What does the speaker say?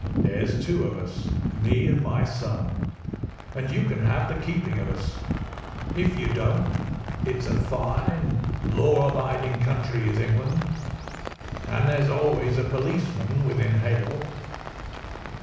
There's two of us, me and my son, and you can have the keeping of us. If you don't—it's a fine, law abiding country is England, and there's always a policeman within hail.